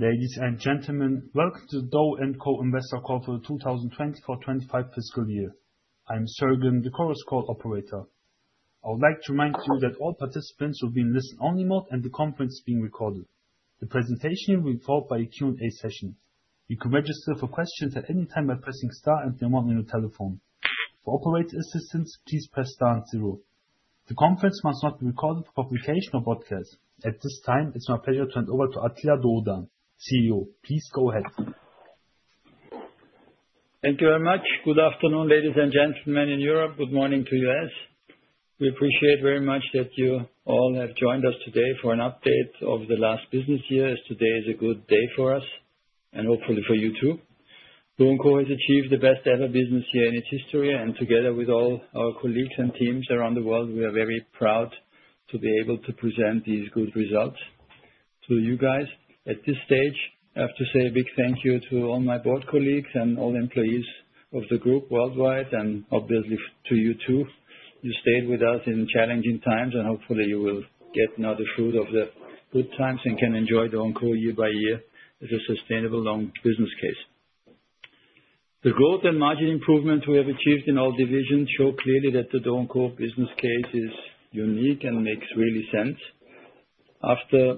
Ladies and gentlemen, welcome to the DO & CO investor call for the 2024-2025 fiscal year. I am Sergen, the Chorus Call operator. I would like to remind you that all participants will be in listen-only mode and the conference is being recorded. The presentation will be followed by a Q&A session. You can register for questions at any time by pressing star and the amount on your telephone for operator assistance. Please press star and zero. The conference must not be recorded for publication or broadcast at this time. It's my pleasure to turn over to Attila Dogudan, CEO. Please go ahead. Thank you very much. Good afternoon ladies and gentlemen in Europe. Good morning to U.S. We appreciate very much that you all have joined us today for an update of the last business year as today is a good day for us and hopefully for you too. DO & CO has achieved the best ever business year in its history and together with all our colleagues and teams around the world, we are very proud to be able to present these good results to you guys at this stage. I have to say a big thank you to all my board colleagues and all the employees of the group worldwide and obviously to you too. You stayed with us in challenging times and hopefully you will get another fruit of the good times and can enjoy the encore year by year as a sustainable long business case. The growth and margin improvement we have achieved in all divisions show clearly that the DO & CO business case is unique and makes really sense. After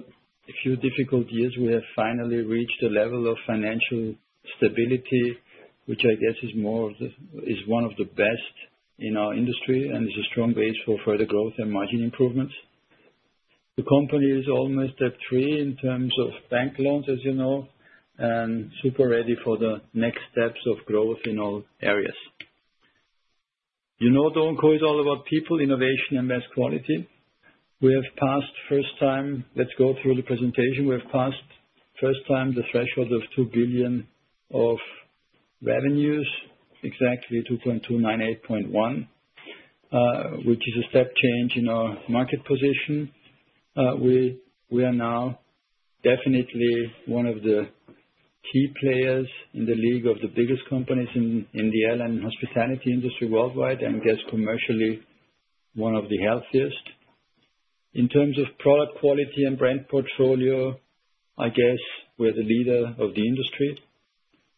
a few difficult years we have finally reached a level of financial stability which I guess is more is one of the best in our industry and is a strong base for further growth and margin improvements. The company is almost step three in terms of bank loans as you know and super ready for the next steps of growth in all areas you know do. DO & CO is all about people, innovation and mass quality. We have passed first time. Let's go through the presentation. We've passed first time the threshold of 2 billion of revenues, exactly 2,298.1 million, which is a step change in our market position. We are now definitely one of the key players in the league of the biggest companies in the airline hospitality industry worldwide and guess commercially one of the healthiest in terms of product quality and brand portfolio. I guess we're the leader of the industry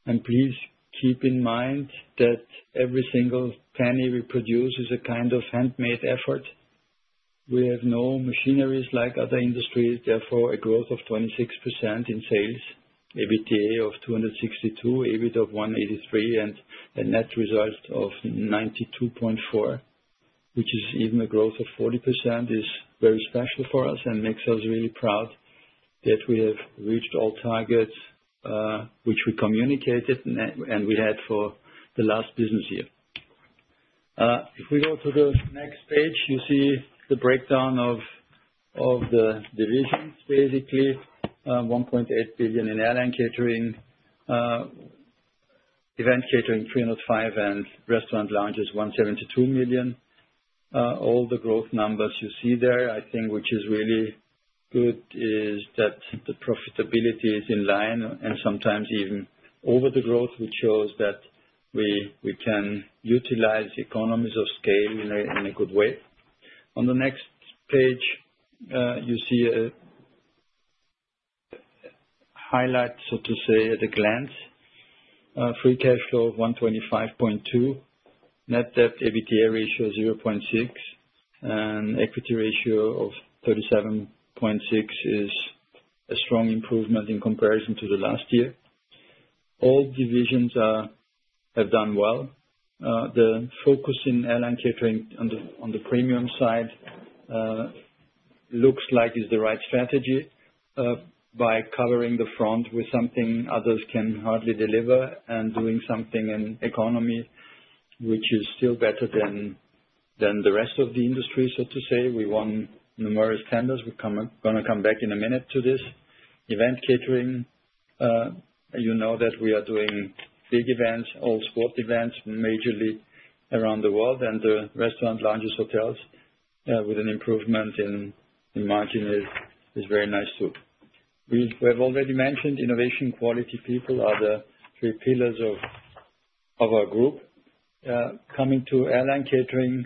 and please keep in mind that every single penny we produce is a kind of handmade effort. We have no machineries like other industries. Therefore a growth of 26% in sales, EBITDA of 262 million, EBIT of 183 million, and a net result of 92.4 million, which is even a growth of 40%, is very special for us and makes us really proud that we have reached all targets which we communicated and we had for the last business year. If we go to the next page you see the breakdown of the divisions. Basically 1.8 billion in airline catering, event catering 305 million, and restaurant lounges 172 million. All the growth numbers you see there, I think which is really good is that the profitability is in line and sometimes even over the growth, which shows that we can utilize economies of scale in a good way. On the next page you see a highlight, so to say at a glance, free cash flow of 125.2 million, net debt to EBITDA ratio 0.6, and equity ratio of 37.6% is a strong improvement in comparison to the last year. All divisions have done well. The focus in airline catering on the premium side looks like is the right strategy by covering the front with something others can hardly deliver and doing something in economy which is still better than the rest of the industry. So to say we won numerous tenders. We're going to come back in a minute to this event catering. You know that we are doing big events, all sport events majorly around the world and the restaurant lounges, hotels with an improvement in margin is very nice too. We have already mentioned innovation, quality, people are the three pillars of our group. Coming to airline catering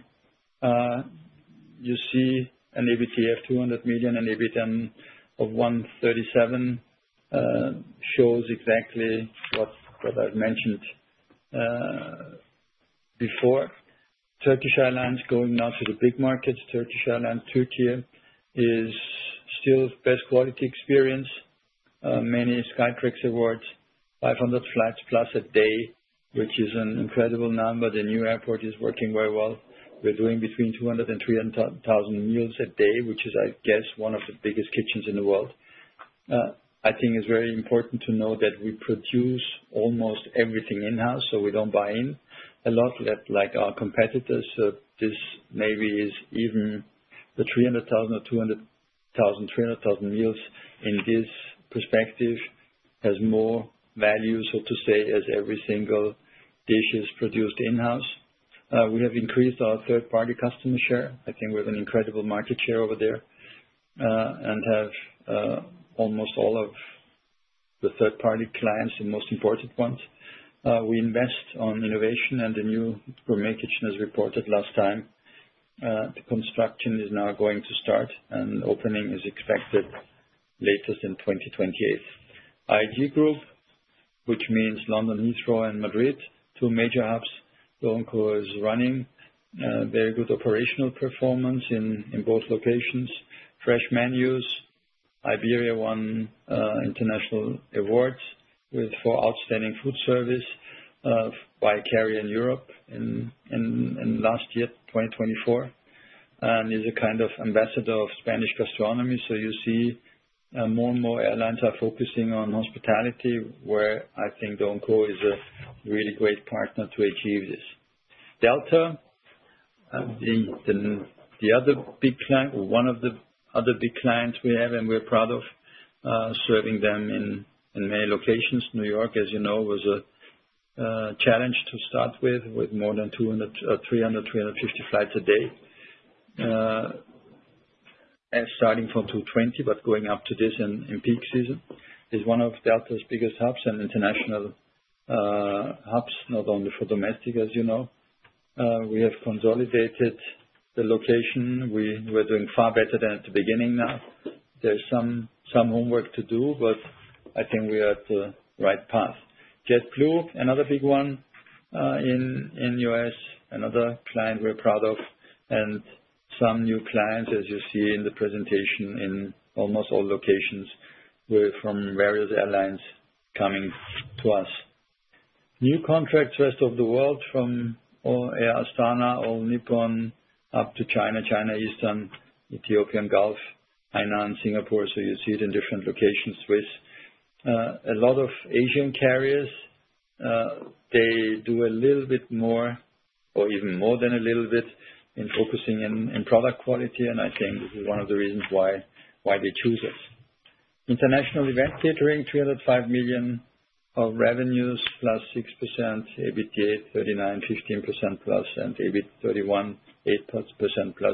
you see an EBITDA of 200 million. An EBITDA of 137 million shows exactly what I've mentioned before. Turkish Airlines going now to the big markets. Turkish Airlines two tier is still best quality experience. Many Skytrax awards, 500 flights plus a day which is an incredible number. The new airport is working very well. We're doing between 200,000 and 300,000 meals a day which is I guess one of the biggest kitchens in the world. I think it's very important to note that we produce almost everything in house, so we don't buy in a lot like our competitors. This maybe is even the 300,000 or 200,000, 300,000 meals in this perspective has more value, so to say, as every single dish is produced in house. We have increased our third party customer share. I think we have an incredible market share over there and have almost all of the third party clients. The most important ones, we invest on innovation and the new gourmet kitchen. As reported last time, the construction is now going to start and opening is expected latest in 2028. gategroup, which means London Heathrow and Madrid, two major hubs. The Encore is running very good operational performance in both locations. Fresh menus. Iberia won international awards for outstanding food service by carrier in Europe in 2024 and is a kind of ambassador of Spanish gastronomy. You see more and more airlines are focusing on hospitality, where I think DO & CO is a really great partner to achieve this. Delta, the other big client, one of the other big clients we have, and we're proud of serving them in many locations. New York, as you know, was a challenge to start with, with more than 200, 300, 350 flights a day, starting from 220 but going up to this in peak season. It is one of Delta's biggest hubs and international hubs, not only for domestic. As you know, we have consolidated the location. We are doing far better than at the beginning. Now there is some homework to do, but I think we are on the right path. JetBlue, another big one in U.S., another client we're proud of and some new clients as you see in the presentation in almost all locations from various airlines coming to us, new contracts, rest of the world from Air Astana or All Nippon Airways up to China Eastern, Ethiopian, Gulf Air, Hainan, Singapore. You see it in different locations. Swiss, a lot of Asian carriers, they do a little bit more or even more than a little bit in focusing in product quality. I think this is one of the reasons why they choose us. International event catering 305 million of revenues, +6% EBITDA 39 million, +15%, and EBIT 31 million, +8%,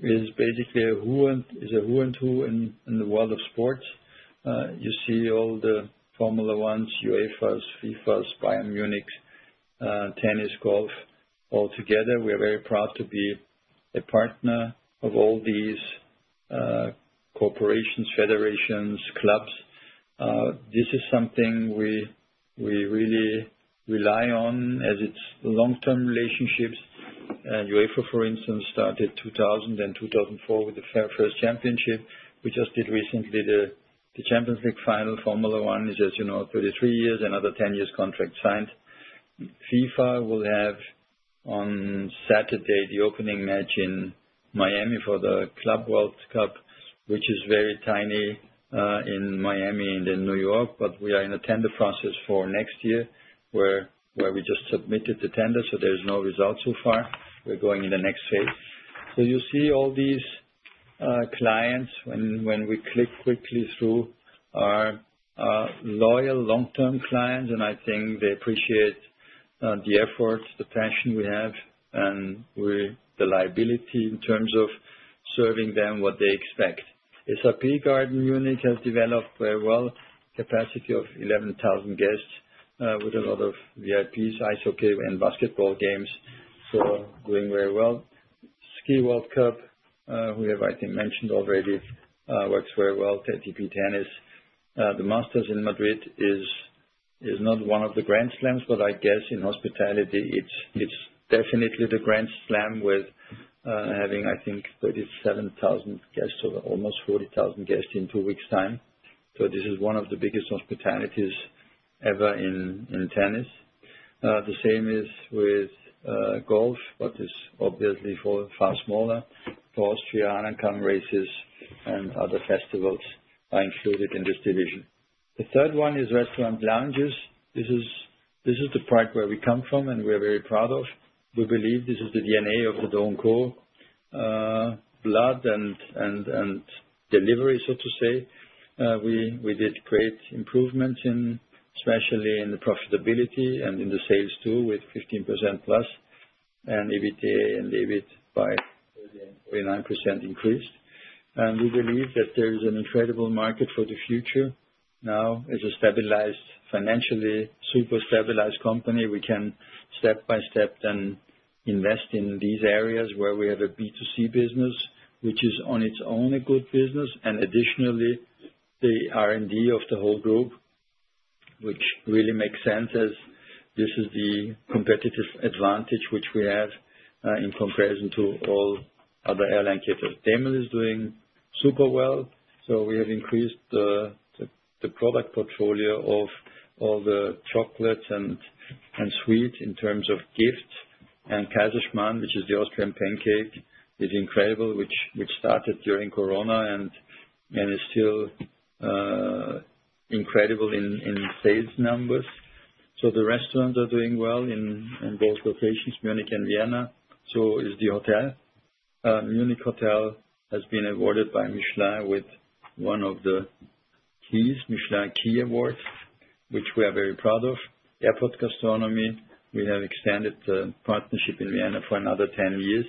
is basically a who and who in the world of sports. You see all the Formula 1, UEFA, FIFA, Bayern München, tennis, golf all together. We are very proud to be a partner of all these corporations, federations, clubs. This is something we really rely on as it's long term relationships. UEFA for instance started 2000 and 2004 with the first championship. We just did recently the Champions League final. Formula 1 is, as you know, 33 years, another 10 years contract signed. FIFA will have on Saturday the opening match in Miami for the Club World Cup, which is very tiny in Miami and in New York. We are in a tender process for next year where we just submitted the tender. There is no result so far. We are going in the next phase. You see all these clients when we click quickly through loyal long term clients and I think they appreciate the effort, the passion we have and the liability in terms of serving them what they expect. SAP Garden, Munich has developed capacity of 11,000 guests with a lot of VIPs, ice hockey and basketball games, so doing very well. Ski World Cup we have, I think mentioned already, works very well. The Masters in Madrid is not one of the Grand Slams, but I guess in hospitality it's definitely the Grand Slam with having, I think, 37,000 guests or almost 40,000 guests in two weeks' time. This is one of the biggest hospitalities ever in tennis. The same is with golf, but it's obviously far smaller for Austria. Hahnenkamm races and other festivals are included in this division. The third one is restaurant lounges. This is the part where we come from and we are very proud of. We believe this is the DNA of the encore blood and delivery. To say we did great improvements, especially in the profitability and in the sales too, with 15%+ and EBITDA and EBIT by 49% increased. We believe that there is an incredible market for the future. Now as a stabilized, financially super stabilized company, we can step by step then invest in these areas where we have a B2C business, which is on its own a good business and additionally the R and D of the whole group, which really makes sense as this is the competitive advantage which we have in comparison to all other airline caterers. Demel is doing super well. We have increased the product portfolio of all the chocolates and sweets in terms of gifts. Kaiserschmarrn, which is the Austrian pancake, is incredible, which started during Corona and is still incredible in sales numbers. The restaurants are doing well in both locations, Munich and Vienna. The hotel is also doing well. Munich Hotel has been awarded by Michelin with one of the keys, Michelin Key awards, which we are very proud of. Airport gastronomy, we have extended the partnership in Vienna for another 10 years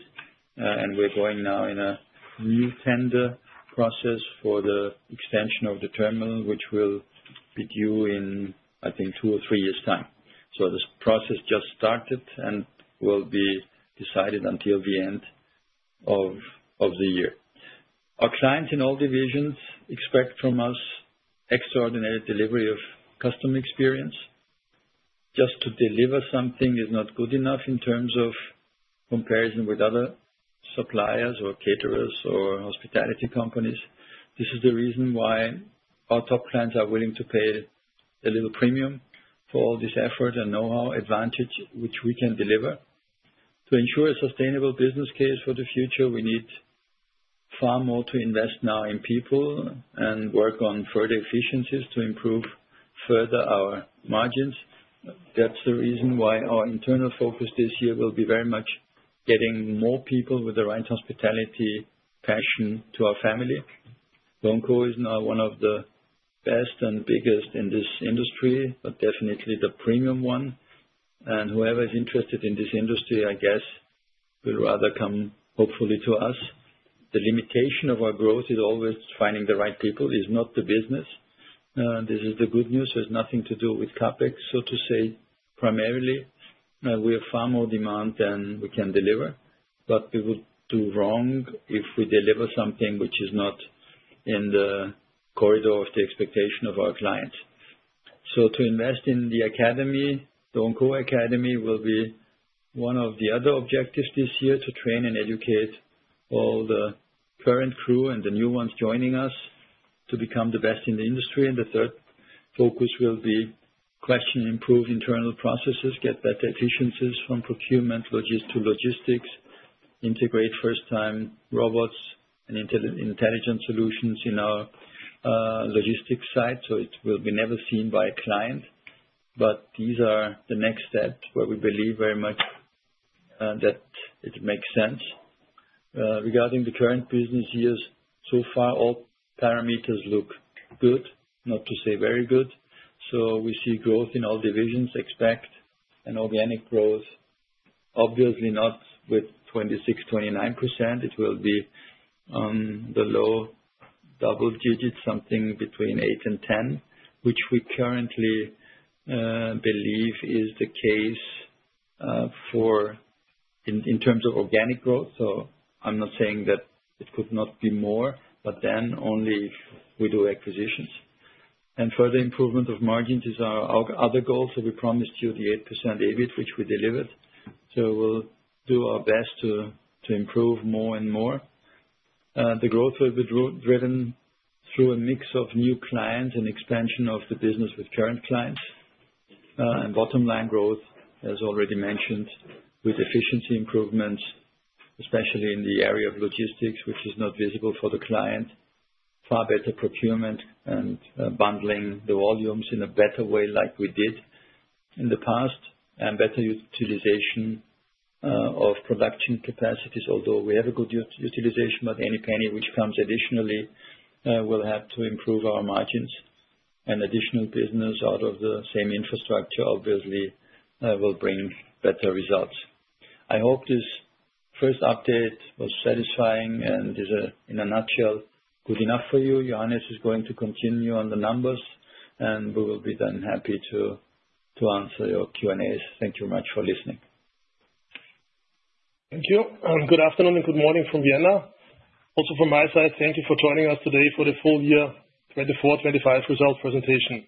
and we are going now in a new tender process for the extension of the terminal, which will be due in, I think, two or three years' time. This process just started and will be decided until the end of the year. Our clients in all divisions expect from us extraordinary delivery of customer experience. Just to deliver something is not good enough in terms of comparison with other suppliers or caterers or hospitality companies. This is the reason why our top clients are willing to pay a little premium for all this effort and know-how advantage which we can deliver to ensure a sustainable business case for the future. We need far more to invest now in people and work on further efficiencies to improve further our margins. That is the reason why our internal focus this year will be very much getting more people with the right hospitality passion to our family. Our company is now one of the best and biggest in this industry, but definitely the premium one. Whoever is interested in this industry, I guess, will rather come hopefully to us. The limitation of our growth is always finding the right people, it is not the business. This is the good news, has nothing to do with CapEx, so to say. Primarily we have far more demand than we can deliver. We would do wrong if we deliver something which is not in the corridor of the expectation of our clients. To invest in the Academy, the DO & CO Academy will be one of the other objectives this year to train and educate all the current crew and the new ones joining us to become the best in the industry. The third focus will be to improve internal processes, get better efficiencies from procurement to logistics. Integrate first time robots and intelligent solutions in our logistics site so it will be never seen by a client. These are the next steps where we believe very much that it makes sense regarding the current business years. So far all parameters look good, not to say very good. We see growth in all divisions, expectations and organic growth. Obviously not with 26.29%, it will be the low double digits, something between 8% and 10% which we currently believe is the case in terms of organic growth. I'm not saying that it could not be more. Only if we do acquisitions and further improvement of margins is our other goal. We promised you the 8% EBIT which we delivered. We'll do our best to improve more and more. The growth will be driven through a mix of new clients and expansion of the business with current clients and bottom line growth as already mentioned, with efficiency improvements, especially in the area of logistics which is not visible for the client. Far better procurement and bundling the volumes in a better way like we did in the past and better utilization of production capacities, although we have a good utilization. Any penny which comes additionally will help to improve our margins and additional business out of the same infrastructure obviously will bring better results. I hope this first update was satisfying and is in a nutshell good enough for you. Johannes is going to continue on the numbers and we will be then happy to answer your Q&As. Thank you very much for listening. Thank you and good afternoon and good morning from Vienna. Also from my side. Thank you for joining us today for the full year 2024-2025 result presentation.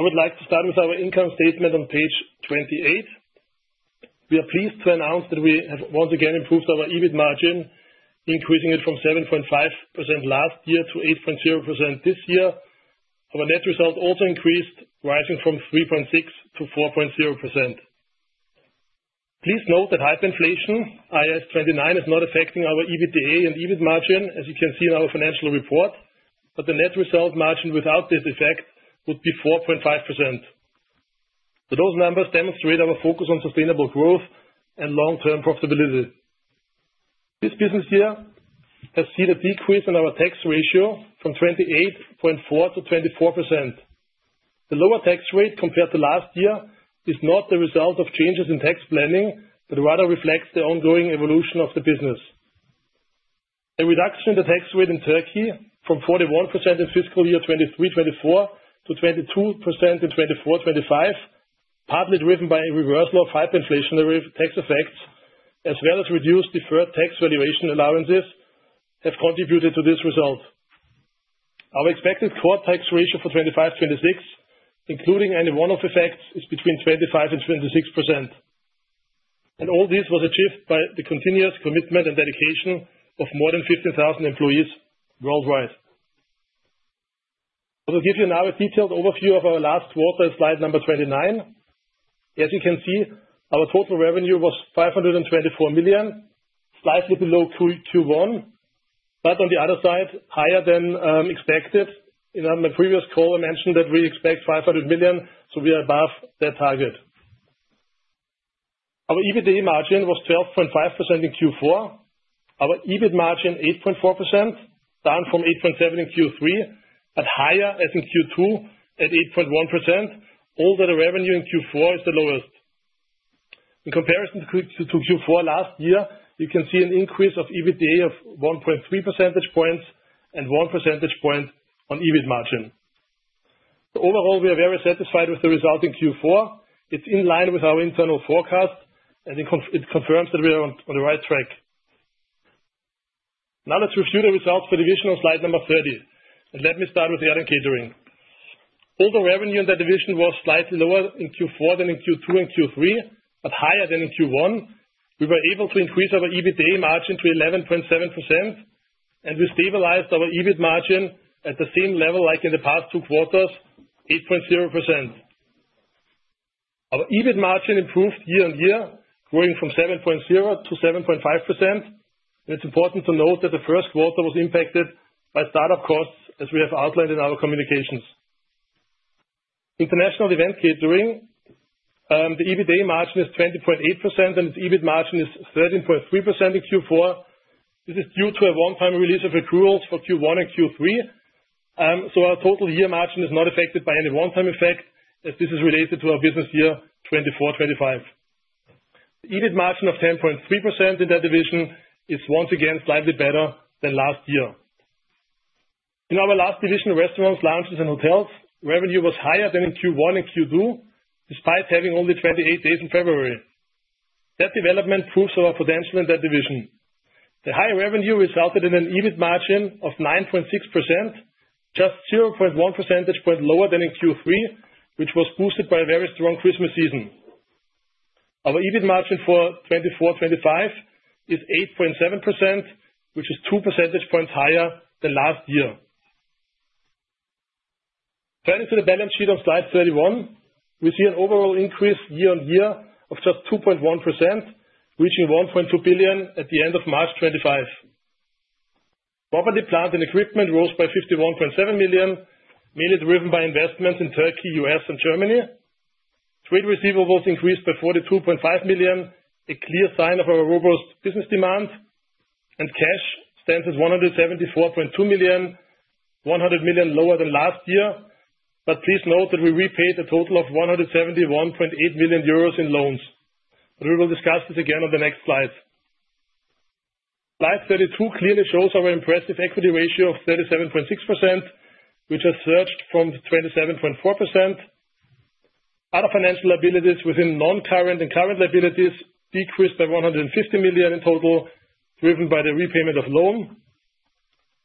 I would like to start with our income statement on page 28. We are pleased to announce that we have once again improved our EBIT margin, increasing it from 7.5% last year to 8.0% this year. Our net result also increased, rising from 3.6% to 4.0%. Please note that hyperinflation IAS 29 is not affecting our EBITDA and EBIT margin as you can see in our financial report, but the net result margin without this effect would be 4.5%. Those numbers demonstrate our focus on sustainable growth and long term profitability. This business year has seen a decrease in our tax ratio from 28.4% to 24%. The lower tax rate compared to last year is not the result of changes in tax planning, but rather reflects the ongoing evolution of the business. A reduction in the tax rate in Turkey from 41% in fiscal year 2023-2024 to 22% in 2024-2025, partly driven by a reversal of hyperinflationary tax effects, as well as reduced deferred tax valuation allowances have contributed to this result. Our expected core tax ratio for 2025-2026, including any one off effects, is between 25%-26% and all this was achieved by the continuous commitment and dedication of more than 15,000 employees worldwide. I will give you now a detailed overview of our last quarter, slide number 29. As you can see, our total revenue was 524 million, slightly below Q1 but on the other side higher than expected. In the previous call I mentioned that we expect 500 million, so we are above that target. Our EBITDA margin was 12.5% in Q4, our EBIT margin 8.4%, down from 8.7% in Q3 but higher as in Q2 at 8.1%. Although the revenue in Q4 is the lowest in comparison to Q4 last year you can see an increase of EBITDA of 1.3 percentage points and one percentage point on EBIT margin. Overall we are very satisfied with the result in Q4. It's in line with our internal forecast and it confirms that we are on the right track. Now let's review the results for division on slide number 30 and let me start with the airline catering. Although revenue in that division was slightly lower in Q4 than in Q2 and Q3 but higher than in Q1, we were able to increase our EBITDA margin to 11.7% and we stabilized our EBIT margin at the same level like in the past two quarters, 8.0%. Our EBIT margin improved year-on-year growing from 7.0% to 7.5%. It is important to note that the first quarter was impacted by startup costs. As we have outlined in our Communications International Event Catering, the EBITDA margin is 20.8% and its EBIT margin is 13.3% in Q4. This is due to a one time release of accruals for Q1 and Q3, so our total year margin is not affected by any one time effect as this is related to our business year 2024-2025. The EBITDA margin of 10.3% in that division is once again slightly better than last year. In our last division, restaurants, lounges and hotels revenue was higher than in Q1 and Q2 despite having only 28 days in February. That development proves our potential in that division. The higher revenue resulted in an EBIT margin of 9.6%, just 0.1 percentage point lower than in Q3 which was boosted by a very strong Christmas season. Our EBIT margin for 2024-2025 is 8.7% which is 2 percentage points higher than last year. Turning to the balance sheet on slide 31 we see an overall increase year-on-year of just 2.1% reaching 1.2 billion at the end of March 25th. Property, plant and equipment rose by 51.7 million, mainly driven by investments in Turkey, U.S. and Germany. Trade receivables increased by 42.5 million, a clear sign of our robust business demand and cash stands at 174.2 million, 100 million lower than last year. Please note that we repaid a total of 171.8 million euros in loans. We will discuss this again on the next slide. Slide 32 clearly shows our impressive equity ratio of 37.6% which has surged from 27.4%. Other financial liabilities within noncurrent and current liabilities decreased by 150 million in total driven by the repayment of loan.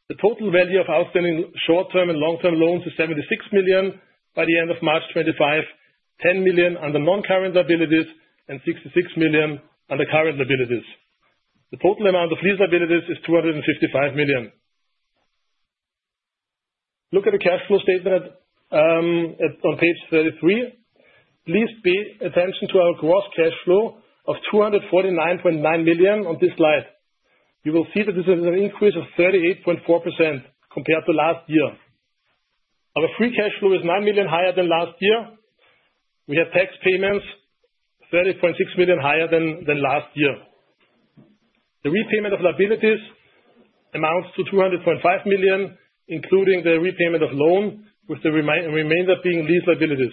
The total value of outstanding short-term and long-term loans is 76 million by the end of March 2025, 10 million under noncurrent liabilities and 66 million under current liabilities. The total amount of lease liabilities is 255 million. Look at the cash flow statement on page 33. Please pay attention to our gross cash flow of 249.9 million on this slide. You will see that this is an increase of 38.4% compared to last year. Our free cash flow is 9 million higher than last year. We have tax payments 30.6 million higher than last year. The repayment of liabilities amounts to 200.5 million including the repayment of loan with the remainder being lease liabilities.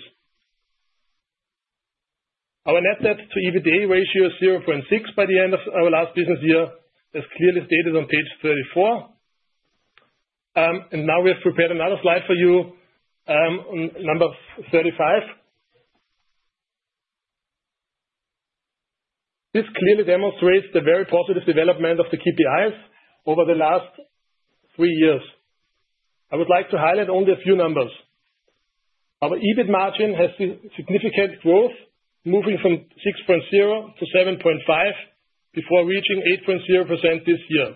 Our net debt to EBITDA ratio is 0.6 by the end of our last business year as clearly stated on page 34. We have prepared another slide for you, number 35. This clearly demonstrates the very positive development of the KPIs over the last three years. I would like to highlight only a few numbers. Our EBIT margin has significant growth moving from 6.0% to 7.5% before reaching 8.0% this year.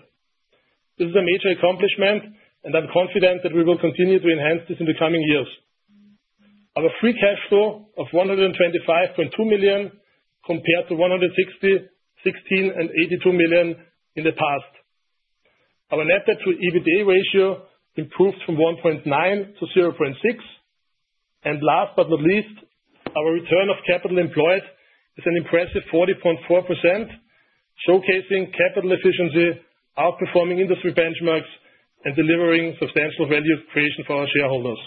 This is a major accomplishment and I'm confident that we will continue to enhance this in the coming years. Our free cash flow of 125.2 million compared to 160 million, 16 million, and 82 million in the past. Our net debt to EBITDA ratio improved from 1.9 to 0.6. Last but not least, our return of capital employed is an impressive 40.4% showcasing capital efficiency, outperforming industry benchmarks and delivering substantial value creation for our shareholders.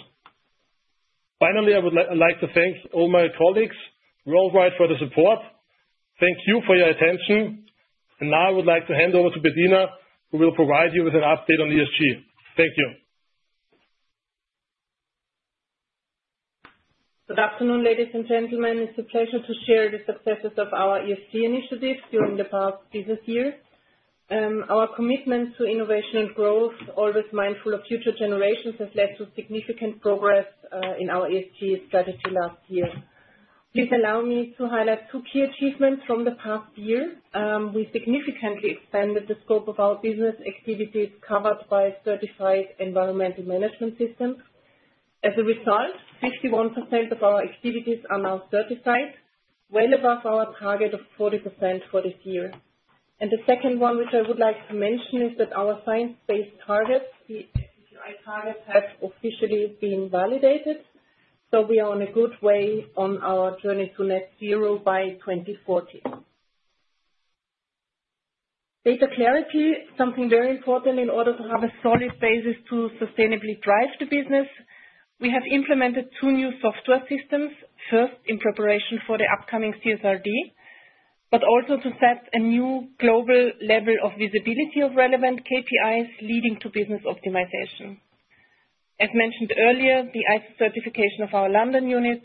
Finally, I would like to thank all my colleagues worldwide for the support. Thank you for your attention. I would now like to hand over to Bettina who will provide you with an update on ESG. Thank you. Good afternoon ladies and gentlemen. It's a pleasure to share the successes of our ESG initiatives during the past business year. Our commitment to innovation and growth, always mindful of future generations, has led to significant progress in our ESG strategy last year. Please allow me to highlight two key achievements from the past year. We significantly expanded the scope of our business activities covered by certified environmental management systems. As a result, 51% of our activities are now certified, well above our target of 40% for this year. The second one which I would like to mention is that our science-based targets, the SBTi targets, have officially been validated. We are on a good way on our journey to net zero by 2040. Data clarity, something very important in order to have a solid basis to sustainably drive the business, we have implemented two new software systems. First, in preparation for the upcoming CSRD, but also to set a new global level of visibility of relevant KPIs leading to business optimization. As mentioned earlier, the ISO certification of our London unit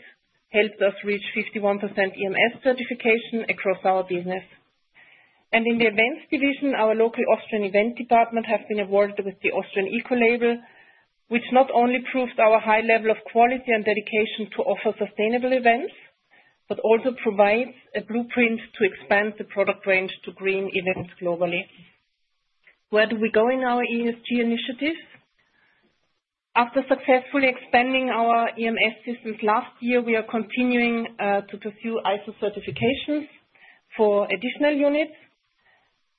helped us reach 51% EMS certification across our business, and in the Events Division, our local Austrian Event department has been awarded with the Austrian Eco label, which not only proves our high level of quality and dedication to offer sustainable events, but also provides a blueprint to expand the product range to green events globally. Where do we go in our ESG initiatives? After successfully expanding our EMS systems last year, we are continuing to pursue ISO certifications for additional units.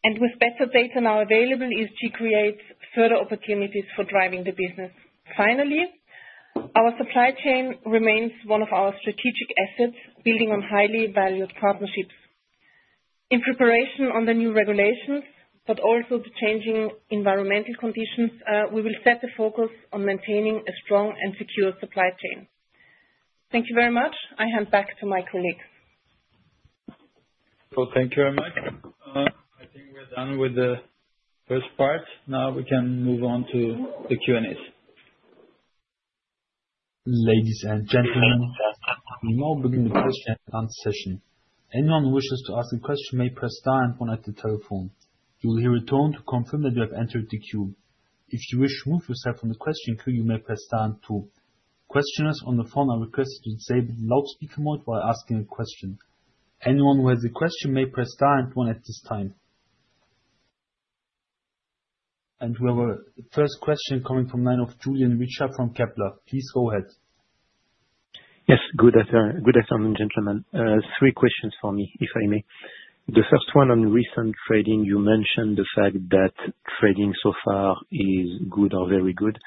With better data now available, ESG creates further opportunities for driving the business. Finally, our supply chain remains one of our strategic assets, building on highly valued partnerships. In preparation for the new regulations, but also the changing environmental conditions, we will set the focus on maintaining a strong and secure supply chain. Thank you very much. I hand back to my colleague. Thank you very much. I think we're done with the first part. Now we can move on to the Q&As. Ladies and gentlemen, we now begin the question and answer session. Anyone who wishes to ask a question may press star and one at the telephone. You will hear a tone to confirm that you have entered the queue. If you wish to remove yourself from the question queue, you may press star and two. Questioners on the phone are requested to disable the loudspeaker mode while asking a question. Anyone who has a question may press star and one at this time. We have a first question coming from the line of Julien Richer from Kepler. Please go ahead. Yes, good afternoon gentlemen. Three questions for me, if I may. The first one on recent trading. You mentioned the fact that trading so far is good or very good.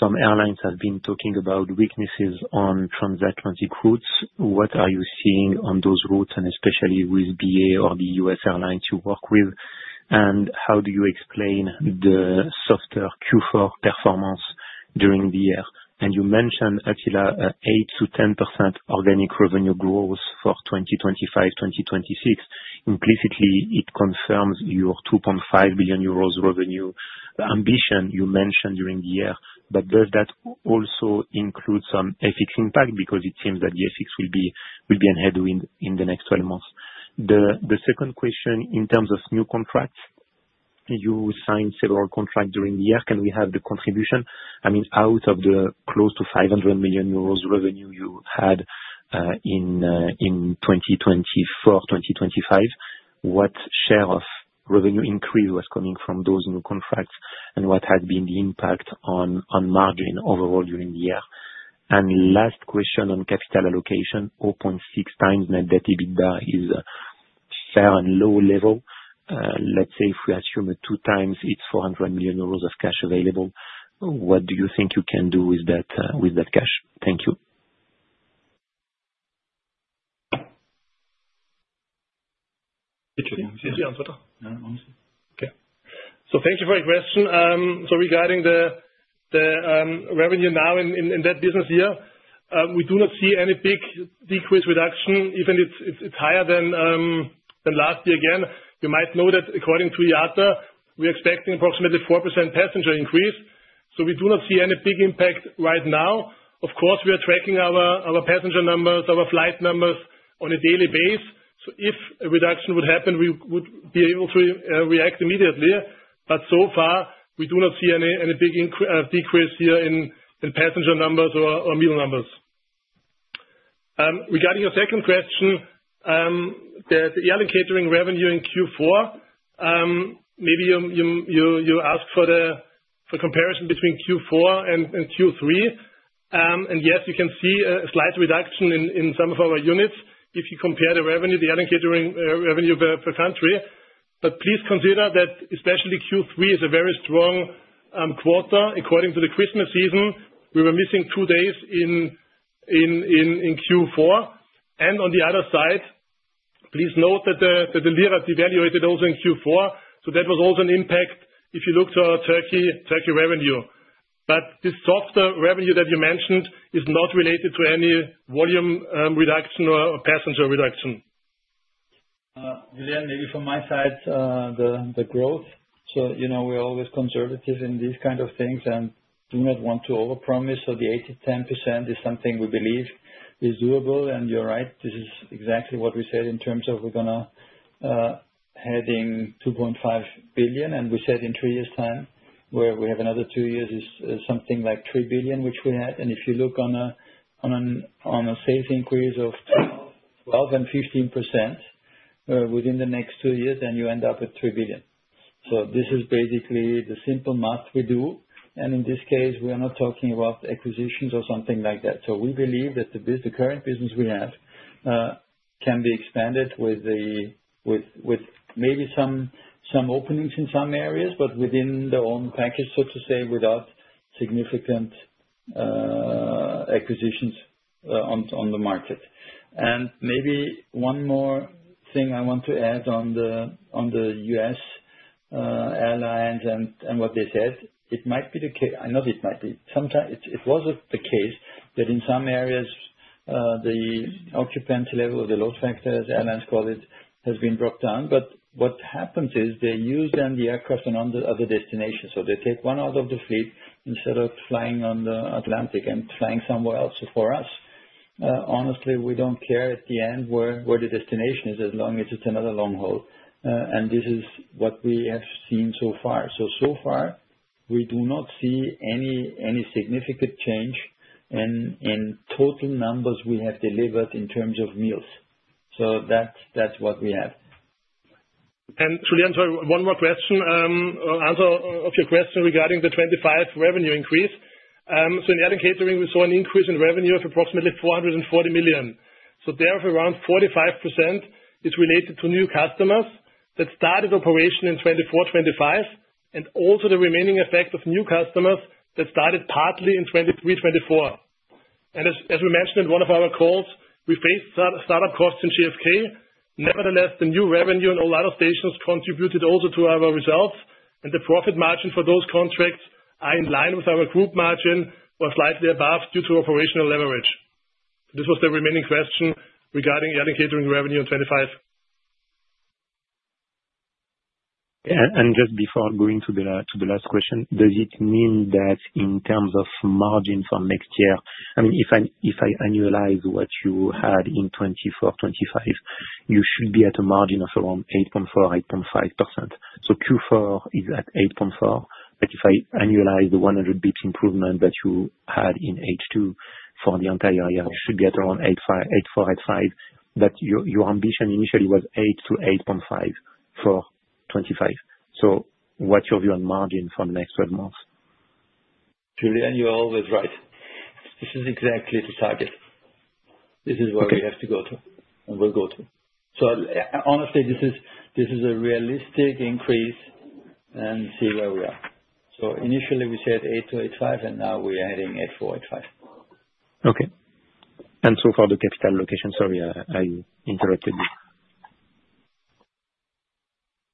Some airlines have been talking about weaknesses on transatlantic routes. What are you seeing on those routes? Especially with British Airways or the U.S. airlines you work with? How do you explain the softer Q4 performance during the year? You mentioned, Attila, 8-10% organic revenue growth for 2025-2026. Implicitly, it confirms your 2.5 billion euros revenue ambition you mentioned during the year. Does that also include some FX impact? Because it seems that the FX will be a headwind in the next 12 months. The second question, in terms of new contracts, you signed several contracts during the year. Can we have the contribution, I mean out of the close to 500 million euros revenue you had in 2024-2025, what share of revenue increase was coming from those new contracts? What has been the impact on margin overall during the year? Last question on capital allocation, 0.6x net debt EBITDA is fair and low level. Let's say if we assume 2x, it is 400 million euros of cash available. What do you think you can do with that cash? Thank you. Okay, thank you for your question. Regarding the revenue now in that business year, we do not see any big decrease, reduction, even it's higher than last year. Again, you might know that according to IATA, we're expecting approximately 4% passenger increase. We do not see any big impact. Right now, of course, we are tracking our passenger numbers, our flight numbers on a daily basis. If a reduction would happen, we would be able to react immediately. So far, we do not see any big decrease here in passenger numbers or meal numbers. Regarding your second question, the airline catering revenue in Q4, maybe you ask for the comparison between Q4 and Q3. Yes, you can see a slight reduction in some of our units if you compare the revenue, the allocating revenue per country. Please consider that especially Q3 is a very strong quarter according to the Christmas season. We were missing two days in Q4. On the other side, please note that the lira devaluated also in Q4. That was also an impact if you look to our Turkey revenue. This softer revenue that you mentioned is not related to any volume reduction or passenger reduction. Julien, maybe from my side the growth. You know we're always conservative in these kind of things and do not want to over promise. The 8%-10% is something we believe is doable. You're right, this is exactly what we said in terms of we're going to heading 2.5 billion and we said in three years time, where we have another two years is something like 3 billion which we had. If you look on a sales increase of 12%-15% within the next two years, then you end up at 3 billion. This is basically the simple math we do. In this case we are not talking about acquisitions or something like that. We believe that the current business we have can be expanded with maybe some openings in some areas, but within their own package, so to say without significant acquisitions on the market. Maybe one more thing I want to add on the U.S. Airlines and what they said it might be the case, I know it might be. Sometimes it was the case that in some areas the occupancy level, the load factor as airlines call it, has been dropped down. What happens is they use the aircraft on the destination so they take one out of the fleet instead of flying on the Atlantic and flying somewhere else. For us, honestly we do not care at the end where the destination is as long as it is another long haul. This is what we have seen so far. So far we do not see any significant change in total numbers we have delivered in terms of meals. So that's what we have. Julien, to one more question, answer of your question regarding the 25% revenue increase. In Airline Catering we saw an increase in revenue of approximately 440 million. Therefore, around 45% is related to new customers that started operation in 2024-2025 and also the remaining effect of new customers that started partly in 2023-2024. As we mentioned in one of our calls, we faced startup costs in JFK. Nevertheless, the new revenue in all other stations contributed also to our results. The profit margin for those contracts are in line with our group margin or slightly above due to operational leverage. This was the remaining question regarding allocating revenue in 2025. Just before going to the last question, does it mean that in terms of margin for next year, I mean if I annualize what you had in 2024-2025, you should be at a margin of around 8.4%-8.5%. Q4 is at 8.4%. If I annualize the 100 basis points improvement that you had in H2 for the entire year, you should get around 8.4%-8.5%. Your ambition initially was 8%-8.5% for 2025. What's your view on margin for the next 12 months? Julien, you're always right. This is exactly the target. This is where we have to go to and we'll go to. Honestly, this is a realistic increase and see where we are. Initially we said 8%-8.5% and now we are heading at 8.4%-8.5%. Okay. For the capital allocation? Sorry, I interrupted you.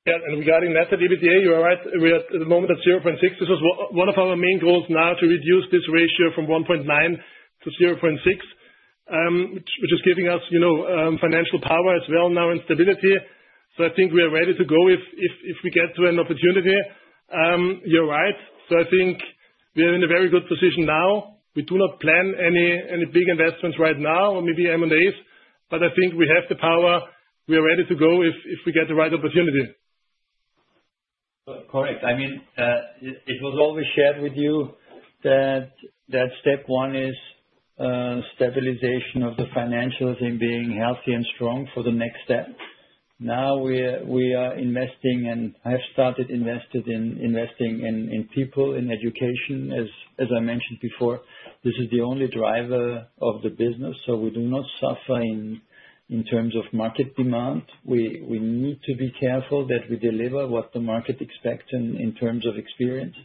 Yes. Regarding that EBITDA, you are right. We are at the moment at 0.6. This is one of our main goals now to reduce this ratio from 1.9 to 0.6, which is giving us financial power as well now in stability. I think we are ready to go if we get to an opportunity. You're right. I think we are in a very good position now. We do not plan any big investments right now or maybe M&A, but I think we have the power. We are ready to go if we get the right opportunity. Correct. I mean, it was always shared with you that step one is stabilization of the financials and being healthy and strong for the next step. Now we are investing and have started investing in people in education. As I mentioned before, this is the only driver of the business. We do not suffer in terms of market demand. We need to be careful that we deliver what the market expects in terms of experience.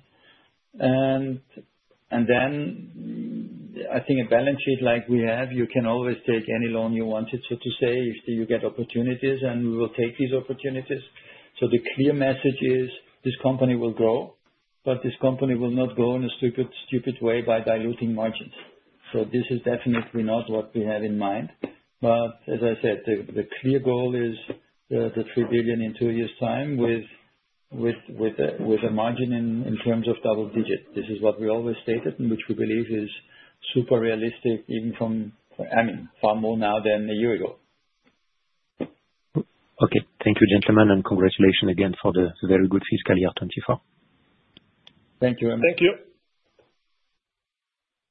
I think a balance sheet like we have, you can always take any loan you wanted. To say, you get opportunities and we will take these opportunities. The clear message is this company will grow, but this company will not go in a stupid, stupid way by diluting margins. This is definitely not what we have in mind but as I said, the clear goal is the 3 billion in two years time with a margin in terms of double digit. This is what we always stated and which we believe is super realistic even from, I mean far more now than a year ago. Okay, thank you gentlemen and congratulations again for the very good fiscal year 2024. Thank you. Thank you.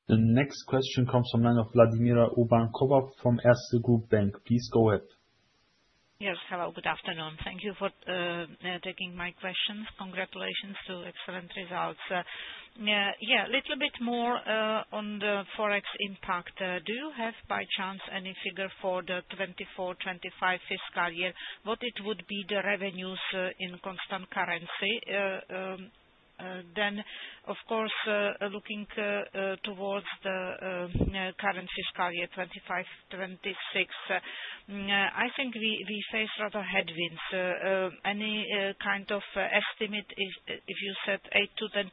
The next question comes from Maria Valachyova from Erste Group Bank. Please go ahead. Yes, hello, good afternoon. Thank you for taking my questions. Congratulations to excellent results. Yeah, a little bit more on the Forex impact. Do you have by chance any figure for the 2024-2025 fiscal year what it would be the revenues including constant currency. Of course, looking towards the current fiscal year 2025-2026 I think we face rather headwinds. Any kind of estimate. If you said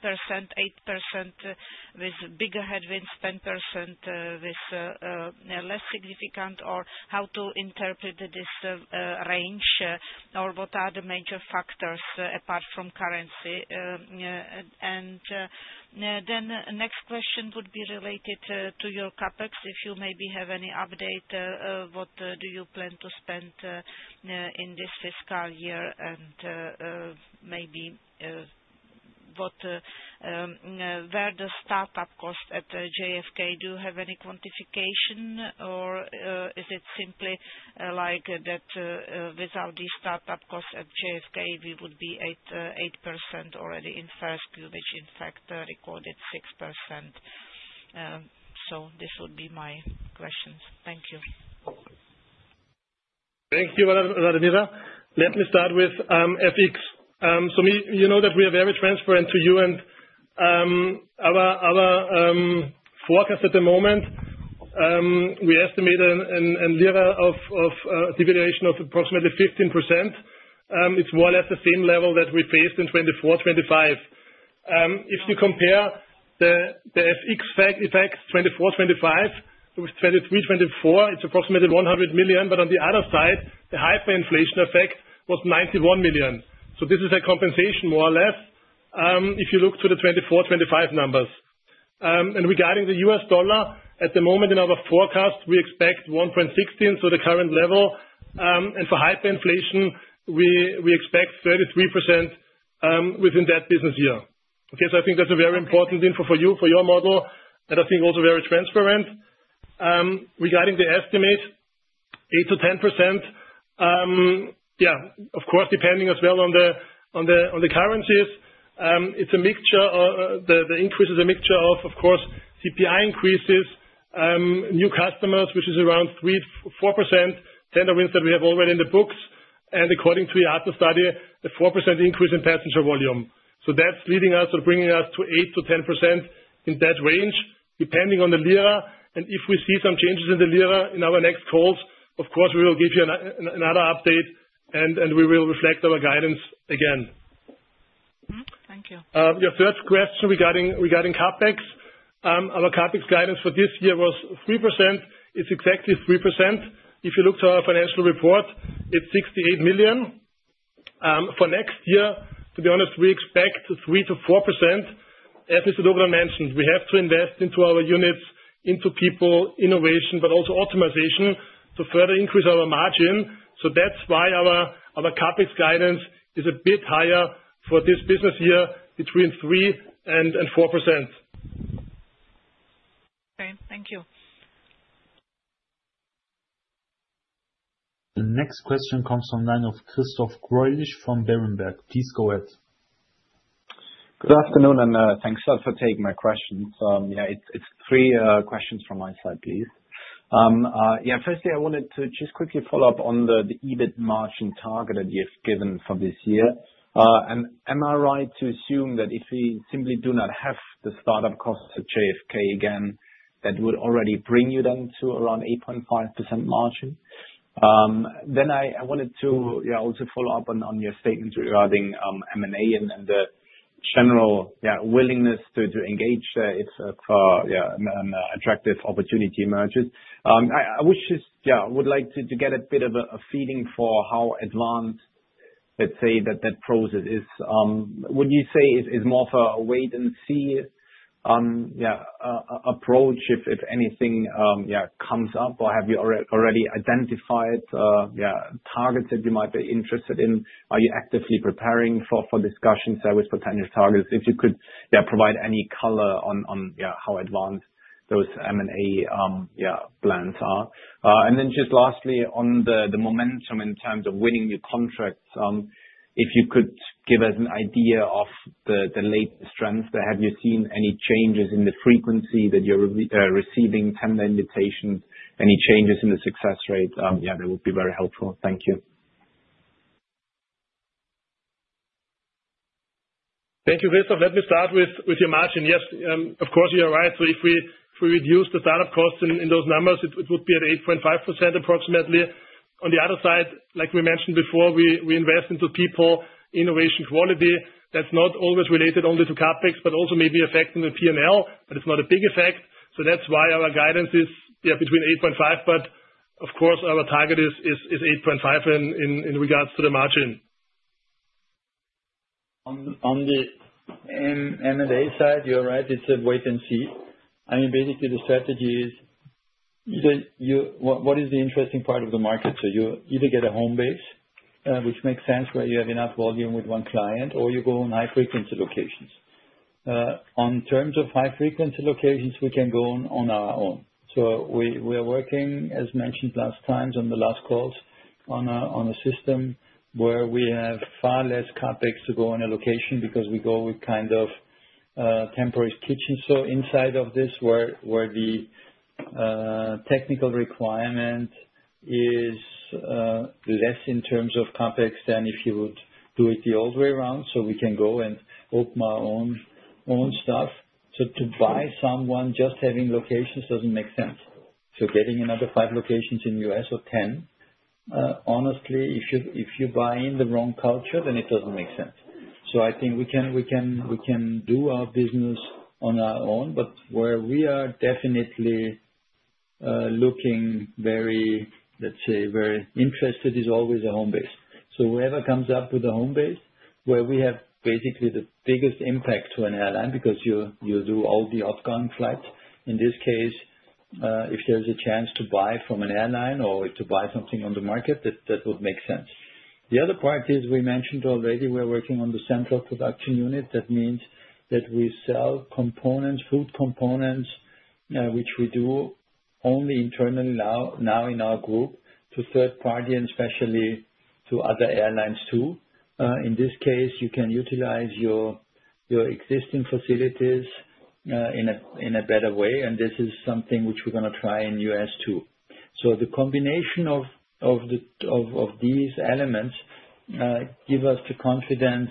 8%-10%, 8% with bigger headwinds, 10% with less significant, or how to interpret this range or what are the major factors apart from currency? The next question would be related to your CapEx. If you maybe have any update what do you plan to spend in this fiscal year and maybe where the startup cost at JFK? Do you have any quantification or is it simply like that? Without the startup costs at JFK we would be 8% already in first Q. In fact, recorded 6%. So this would be my question. Thank you. Thank you, Maria. Let me start with FX. You know that we are very transparent to you and our forecast at the moment, we estimate a lira devaluation of approximately 15%. It is more or less the same level that we faced in 2024-2025. If you compare the FX effect 2024-2025 with 2023-2024, it is approximately 100 million but on the other side the hyperinflation effect was 91 million. This is a compensation more or less. If you look to the 2024-2025 numbers and regarding the U.S. dollar, at the moment in our forecast we expect $1.16, so the current level, and for hyperinflation we expect 33% within that business year. I think that is a very important info for you for your model and I think also very transparent regarding the estimate 8%-10%. Yeah, of course depending as well on the currencies. It is a mixture. The increase is a mixture of, of course, CPI increases, new customers which is around 3.4%, tender wins that we have already in the books, and according to the study, a 4% increase in passenger volume. That is leading us or bringing us to 8%-10% in that range depending on the lira. If we see some changes in the lira in our next calls, of course, we will give you another update and we will reflect our guidance again. Thank you. Your first question regarding CapEx, our CapEx guidance for this year was 3%. It's exactly 3%. If you look to our financial report, it's 68 million for next year. To be honest, we expect 3%-4%. As Mr. Dogudan mentioned, we have to invest into our units, into people, innovation, but also optimization to further increase our margin. That's why our CapEx guidance is a bit higher for this business year, between 3% and 4%. Okay, thank you. The next question comes online of Christoph Greulich from Berenberg. Please go ahead. Good afternoon and thanks a lot for taking my questions. It's three questions from my side please. Firstly, I wanted to just quickly follow up on the EBIT margin targeted you have given for this year. Am I right to assume that if we simply do not have the startup costs at JFK again that would already bring you then to around 8.5% margin? Then I wanted to also follow up on your statement regarding M&A and the general willingness to engage if an attractive opportunity emerges. I would just would like to get a bit of a feeling for how advanced, say, that process is. Would you say it's more of a wait and see approach if anything comes up? Or have you already identified targets that you might be interested in? Are you actively preparing for discussions with potential targets? If you could provide any color on how advanced those M&A plans are. Just lastly on the momentum. In terms of winning your contract, if you could give us an idea of the latest trends there. Have you seen any changes in the frequency that you're receiving tender invitations? Any changes in the success rate? Yeah, that would be very helpful, thank you. Thank you guys. Let me start with your margin. Yes, of course, you are right. If we reduce the startup costs in those numbers it would be at 8.5% approximately. On the other side, like we mentioned before, we invest into people, innovation, quality that's not always related only to CapEx but also maybe affecting the P&L, but it's not a big effect. That is why our guidance is between 8.5%. Of course our target is 8.5% in regards to the margin. On the M&A side. You're right, it's a wait and see. I mean basically the strategy is what is the interesting part of the market. You either get a home base which makes sense where you have enough volume with one client or you go in high frequency locations. In terms of high frequency locations we can go on our own. We are working as mentioned last times on the last calls on a system where we have far less CapEx to go in a location because we go with kind of temporary kitchen. Inside of this where the technical requirement is less in terms of CapEx than if you would do it the old way around we can go and open our own stuff. To buy someone just having locations doesn't make sense. Getting another five locations in the U.S. or 10, honestly if you buy in the wrong culture then it does not make sense. I think we can do our business on our own but where we are definitely looking very, let's say, very interested is always a home base. Whoever comes up with a home base where we have basically the biggest impact to an airline because you do all the outgoing flights in this case, if there is a chance to buy from an airline or to buy something on the market, that would make sense. The other part is we mentioned already we are working on the central production unit. That means that we sell components, food components which we do only internally now in our group, to third party and especially to other airlines too. In this case you can utilize your existing facilities in a better way, and this is something which we're going to try in U.S. too. The combination of these elements gives us the confidence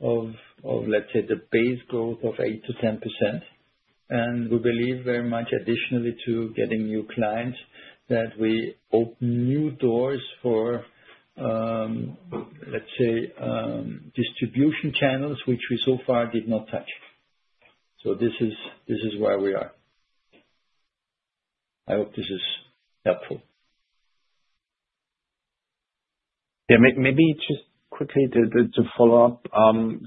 of, let's say, the base growth of 8%-10%, and we believe very much, additionally to getting new clients, that we open new doors for, let's say, distribution channels which we so far did not touch. This is where we are. I hope this is helpful, maybe just quickly to follow up.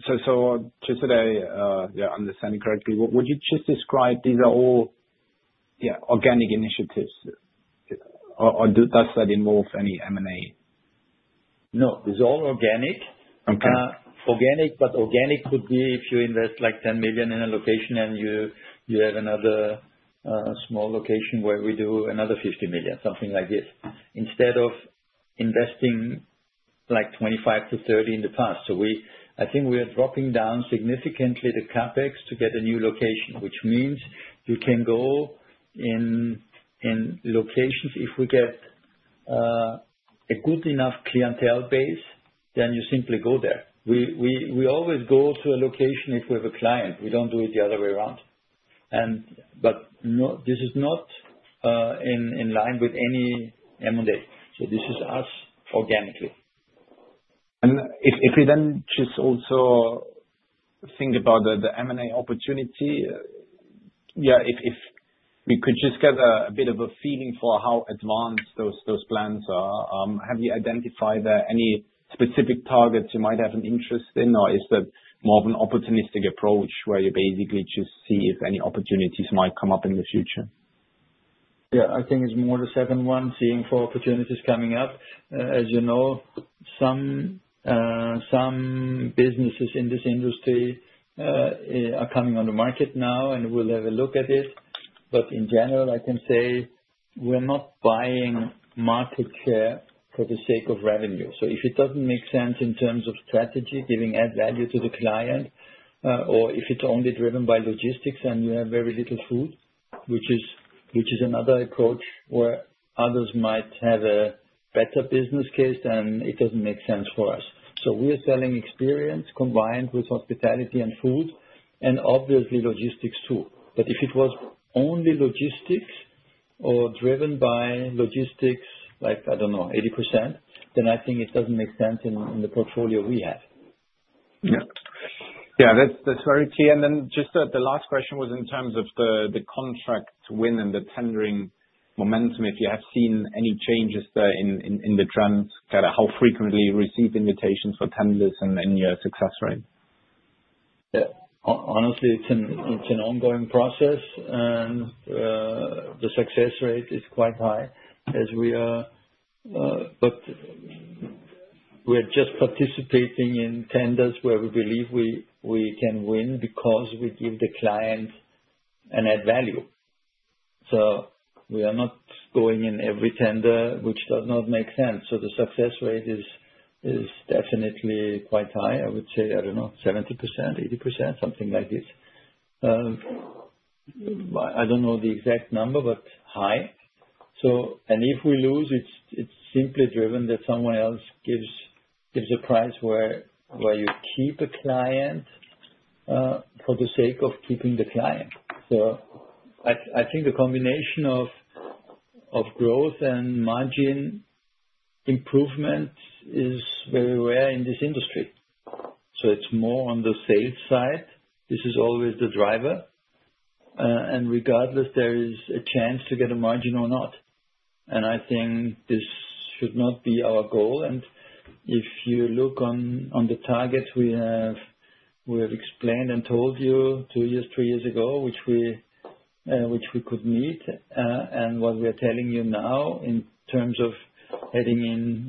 Just today, understanding correctly, would you just describe these are all organic initiatives or does that involve any M&A? No, it's all organic. Organic, but organic could be if you invest like 10 million in a location and you have another small location where we do another 50 million, something like this instead of investing like 25-30 million in the past. I think we are dropping down significantly the CapEx to get a new location, which means you can go in locations. If we get a good enough clientele base, then you simply go there. We always go to a location if we have a client, we do not do it the other way around. This is not in line with any M&A. This is us organically. If we then just also think about the M&A opportunity. Yeah. If we could just get a bit of a feeling for how advanced those plans are. Have you identified any specific targets you might have an interest in? Or is that more of an opportunistic approach where you basically just see if any opportunities might come up in the future? Yeah, I think it's more the second one, seeing four opportunities coming up. As you know, some businesses in this industry are coming on the market now and we'll have a look at it. In general, I can say we're not buying market share for the sake of revenue. If it doesn't make sense in terms of strategy, giving add value to the client, or if it's only driven by logistics and you have very little food, which is another approach where others might have a better business case, then it doesn't make sense for us. We are selling experience combined with hospitality and food and obviously logistics too. If it was only logistics or driven by logistics, like, I don't know, 80%, then I think it doesn't make sense in the portfolio we have. Yes, that's very key. Just the last question was in terms of the contract win and the tendering momentum, if you have seen any changes there in the trends, kind of how frequently you receive invitations for tenders and your success rate? Honestly, it's an ongoing process and the success rate is quite high as we are, but we're just participating in tenders where we believe we can win because we give the client an add value. We are not going in every tender, which does not make sense. The success rate is definitely quite high. I would say, I don't know, 70%, 80%, something like this. I don't know the exact number, but high. If we lose, it's simply driven that someone else gives a price where you keep a client for the sake of keeping the client. I think the combination of growth and margin improvement is very rare in this industry. It's more on the sales side. This is always the driver and regardless there is a chance to get a margin or not. I think this should not be our goal. If you look on the targets, we have explained and told you two years, three years ago, which we could meet and what we are telling you now in terms of heading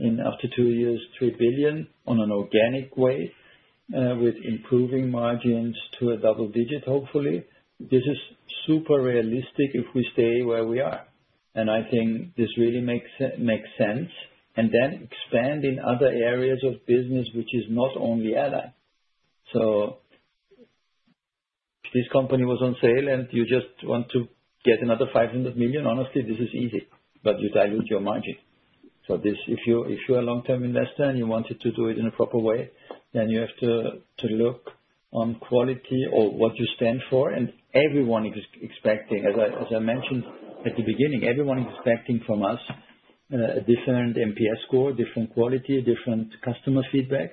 in after two years, 3 billion on an organic way with improving margins to a double digit. Hopefully this is super realistic if we stay where we are. I think this really makes sense. Then expand in other areas of business, which is not only airline. This company was on sale and you just want to get another 500 million? Honestly, this is easy, but you dilute your margin. If you are a long term investor and you wanted to do it in a proper way, then you have to look on quality or what you stand for. Everyone is expecting, as I mentioned at the beginning, everyone is expecting from us a different NPS score, different quality, different customer feedback.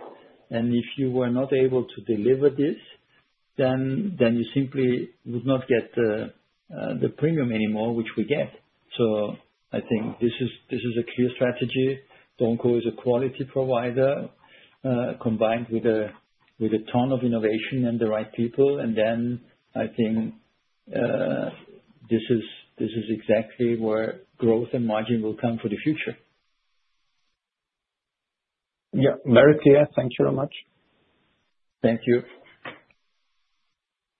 If you were not able to deliver this, then you simply would not get the premium anymore, which we get. I think this is a clear strategy. DO & CO is a quality provider combined with a ton of innovation and the right people. I think this is exactly where growth and margin will come for the future. Yeah, very clear. Thank you very much. Thank you.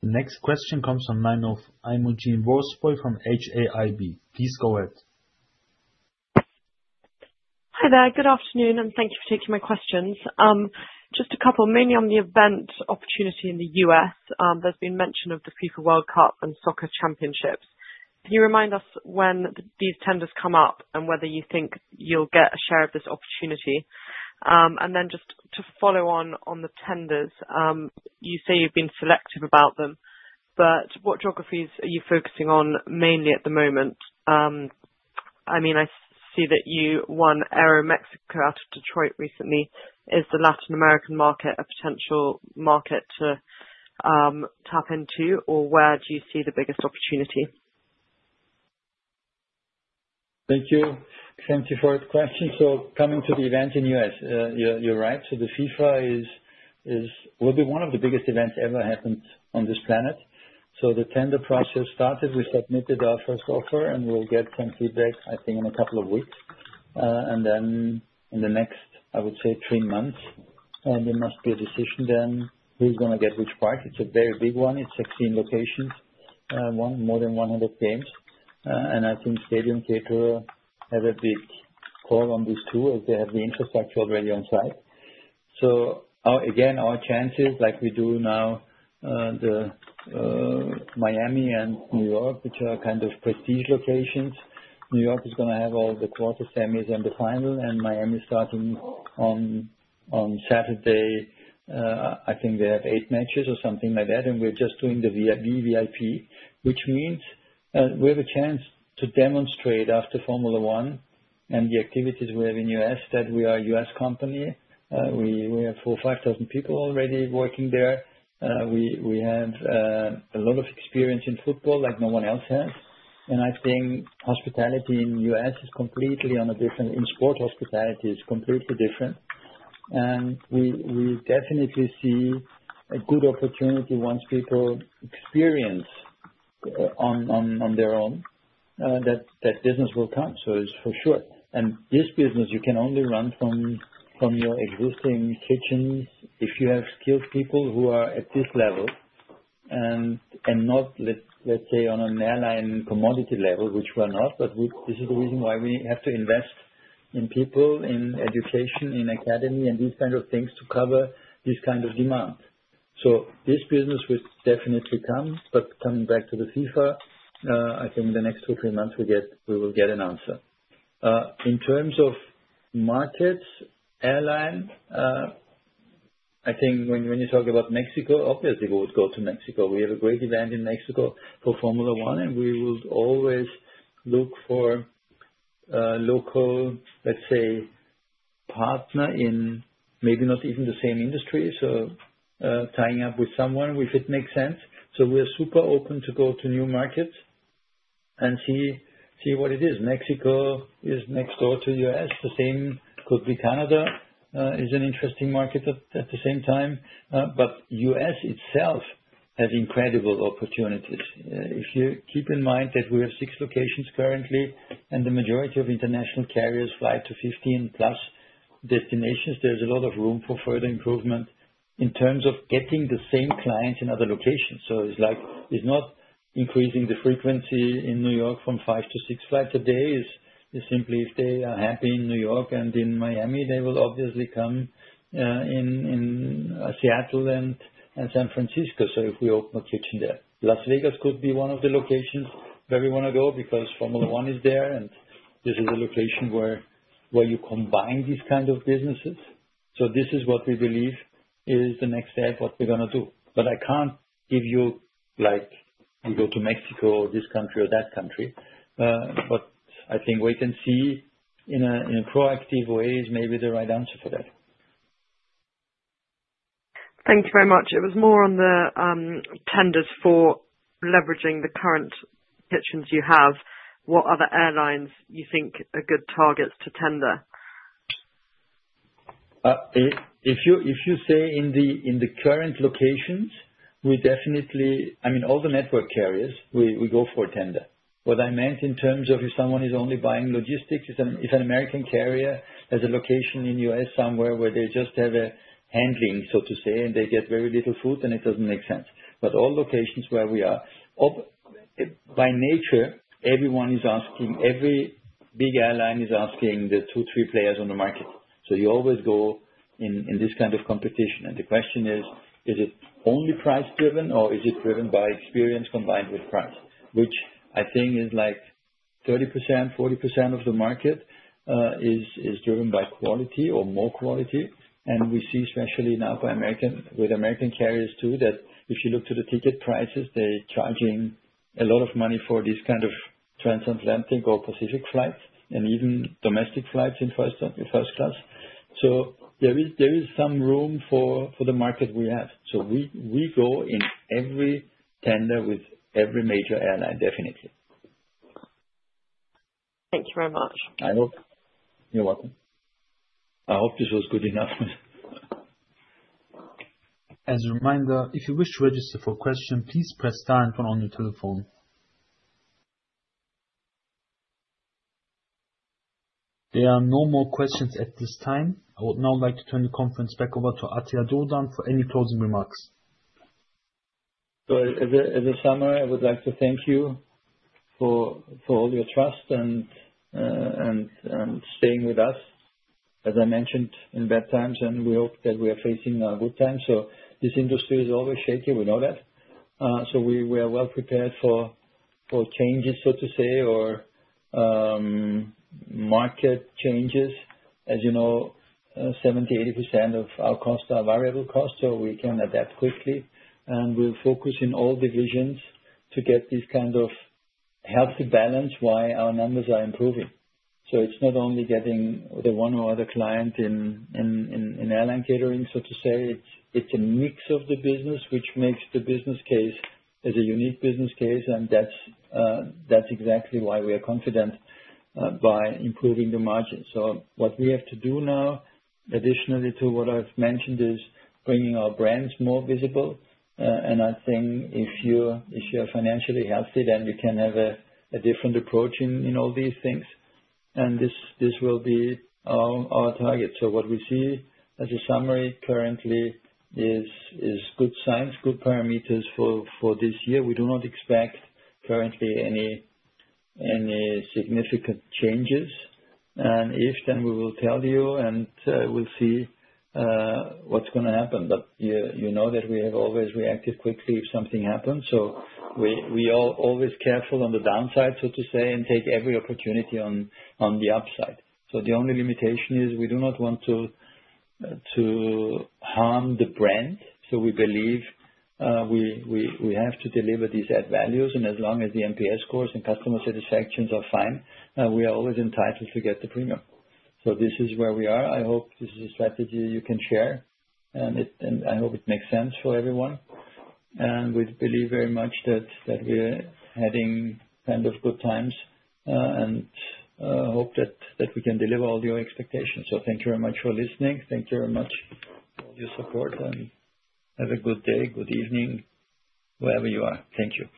The next question comes from HIAB. Please go ahead. Hi there. Good afternoon and thank you for taking my questions. Just a couple. Mainly on the event opportunity in the U.S., there's been mention of the FIFA World Cup and soccer championships. Can you remind us when these tenders come up and whether you think you'll get a share of this opportunity? Just to follow on, on the tenders, you say you've been selective about them, but what geographies are you focusing on mainly at the moment? I mean, I see that you won Aeromexico out of Detroit recently. Is the Latin American market a potential market to tap into or where do you see the biggest opportunity? Thank you. Thank you for the question. Coming to the event in the U.S., you're right. FIFA is, will be one of the biggest events ever happened on this planet. The tender process started. We submitted our first offer and we'll get some feedback I think in a couple of weeks and then in the next, I would say, three months. There must be a decision then who's going to get which part. It's a very big one. It's 16 locations, more than 100 games. I think Stadium Theatre have a big call on this too as they have the infrastructure already on site. Again, our chances, like we do now, the Miami and New York, which are kind of prestige locations, New York is going to have all the quarter, semis and the final and Miami starting on Saturday. I think they have eight matches or something like that. We are just doing the VVIP, which means we have a chance to demonstrate after Formula 1 and the activities we have in the U.S. that we are a U.S. company. We have 4,500 people already working there. We have a lot of experience in football like no one else has. I think hospitality in the U.S. is completely on a different, in sport, hospitality is completely different. We definitely see a good opportunity. Once people experience on their own, that business will come. It is for sure. This business you can only run from your existing kitchens if you have skilled people who are at this level and not, let's say, on an airline commodity level, which we are not. This is the reason why we have to invest in people, in education, in academy, and these kind of things to cover this kind of demand. This business will definitely come. Coming back to the FIFA, I think in the next two or three months we will get an answer in terms of markets, airline. I think when you talk about Mexico, obviously we would go to Mexico. We have a great event in Mexico for Formula 1 and we will always look for local, let's say, partner in maybe not even the same industry. Tying up with someone if it makes sense. We are super open to go to new markets and see what it is. Mexico is next door to the U.S. The same could be, Canada is an interesting market at the same time, but U.S. itself has incredible opportunities. If you keep in mind that we have six locations currently and the majority of international carriers fly to 15+ destinations, there is a lot of room for further improvement in terms of getting the same clients in other locations. It is like it is not increasing the frequency in New York from five to six flights a day. Simply, if they are happy in New York and in Miami, they will obviously come in Seattle and San Francisco. If we open a kitchen there, Las Vegas could be one of the locations where we want to go because Formula 1 is there and this is a location where you combine these kind of businesses. This is what we believe is the next step, what we are going to do. I can't give you like you go to Mexico or this country or that country, but I think we can see in a proactive way maybe the right answer for that. Thank you very much. It was more on the tenders for leveraging the current kitchens you have. What other airlines you think are good targets to tender? If you say in the current locations, we definitely, I mean all the network carriers, we go for tender. What I meant in terms of if someone is only buying logistics, if an American carrier has a location in U.S. somewhere where they just have a handling so to say, and they get very little food and it does not make sense. All locations where we are by nature, everyone is asking, every big airline is asking the two, three players on the market. You always go in this kind of competition and the question is, is it only price driven or is it driven by experience combined with price, which I think is like 30%-40% of the market is driven by quality or more quality. We see, especially now with American carriers too, that if you look to the ticket prices, they are charging a lot of money for this kind of transatlantic or Pacific flight and even domestic flights in first class. There is some room for the market we have. We go in every tender with every major airline. Definitely. Thank you very much. You're welcome. I hope this was good enough. As a reminder, if you wish to register for a question, please press star on your telephone. There are no more questions at this time. I would now like to turn the. Conference back over to Attila Dogudan for any closing remarks. As a summary, I would like to thank you for all your trust and staying with us. As I mentioned, in bad times and we hope that we are facing good times. This industry is always shaky, we know that. We are well prepared for changes, so to say, or market changes. As you know, 70%-80% of our costs are variable cost. We can adapt quickly and we'll focus in all divisions to get this kind of healthy balance. Why our numbers are improving. It's not only getting the one or other client in airline catering, so to say, it's a mix of the business, which makes the business case as a unique business case. That's exactly why we are confident by improving the margin. What we have to do now is additionally to what I've mentioned is bringing our brands more visible. I think if you are financially healthy, then we can have a different approach in all these things and this will be our target. What we see as a summary currently is good signs, good parameters for this year. We do not expect currently any significant changes. If then we will tell you and we will see what is going to happen. You know that we have always reacted quickly if something happens. We are always careful on the downside, so to say, and take every opportunity on the upside. The only limitation is we do not want to harm the brand. We believe we have to deliver these ADD values. As long as the NPS scores and customer satisfactions are fine, we are always entitled to get the premium. This is where we are. I hope this is a strategy you can share and I hope it makes sense for everyone and we believe very much that we are heading kind of good times and hope that we can deliver all your expectations. Thank you very much for listening. Thank you very much for your support and have a good day. Good evening wherever you are. Thank you.